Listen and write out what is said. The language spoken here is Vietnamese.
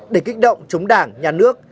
để kích động chống đảng nhà nước